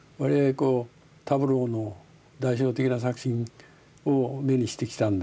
こうタブローの代表的な作品を目にしてきたんで。